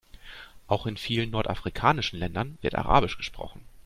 Auch in vielen nordafrikanischen Ländern wird arabisch gesprochen.